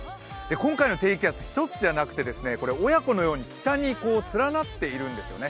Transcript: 今回の低気圧、一つじゃなくて、親子のように北に、連なっているんですよね。